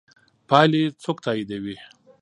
پایلې څوک تاییدوي؟